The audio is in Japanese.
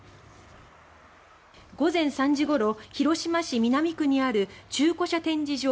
午前３時ごろ広島市南区にある中古車展示場